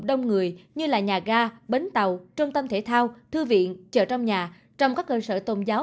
đông người như là nhà ga bến tàu trung tâm thể thao thư viện chợ trong nhà trong các cơ sở tôn giáo